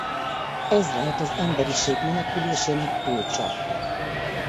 Ez lehet az emberiség menekülésének kulcsa.